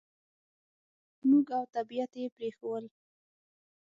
موږ او طبعیت یې پرېښوول.